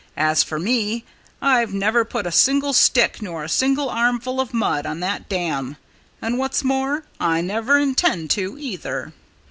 As for me, I've never put a single stick nor a single armful of mud on that dam; and what's more, I never intend to, either.